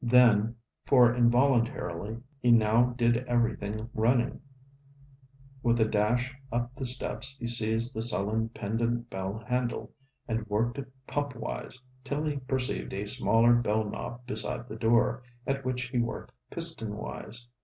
Then, for involuntarily he now did everything running, with a dash up the steps he seized the sullen pendant bell handle, and worked it pumpwise, till he perceived a smaller bell knob beside the door, at which he worked piston wise.